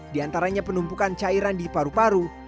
di antaranya penumpukan cairan di paru paru